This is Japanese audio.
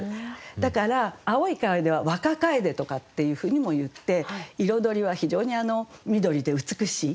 だから青い楓は「若楓」とかっていうふうにもいって彩りは非常に緑で美しい。